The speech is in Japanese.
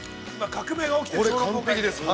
◆革命が起きてるのね。